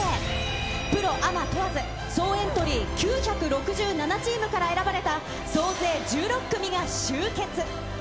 プロアマ問わず、総エントリー９６７チームから選ばれた、総勢１６組が集結。